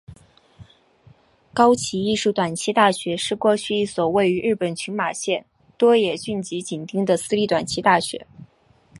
高崎艺术短期大学是过去一所位于日本群马县多野郡吉井町的私立短期大学。